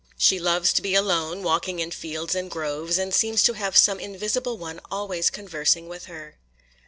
She loves to be alone, walking in fields and groves, and seems to have some invisible one always conversing with her.